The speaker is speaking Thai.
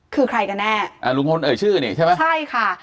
คือใครกันแน่อ่าลุงพลเอ่ยชื่อนี่ใช่ไหมใช่ค่ะ